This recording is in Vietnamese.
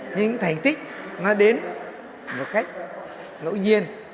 những thành tích nó đến một cách ngẫu nhiên